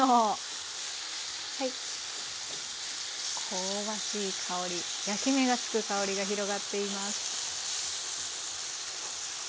香ばしい香り焼き目が付く香りが広がっています。